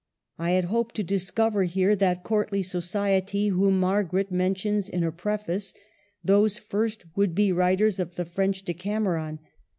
I had hoped to discover here that courtly society whom Margaret mentions in her preface, those first would be writers of the French '' Decam eron."